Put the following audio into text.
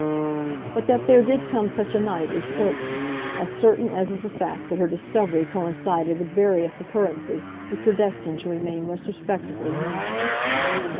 But that there did come such a night is certain—as certain as is the fact that her discovery coincided with various occurrences which were destined to remain retrospectively memorable.